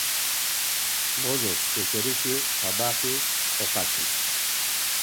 Bozos şekerişi t̆abaxi okaçun.